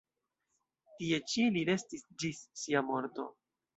Tie ĉi li restis ĝis sia morto.